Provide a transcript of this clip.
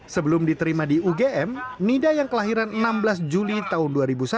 sebelum diterima di ugm nida yang kelahiran enam belas juli tahun dua ribu satu